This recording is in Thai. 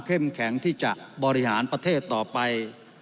แข็งที่จะบริหารประเทศต่อไป